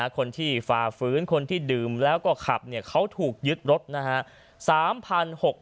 ฝ่าฝืนคนที่ดื่มแล้วก็ขับเขาถูกยึดรถนะฮะ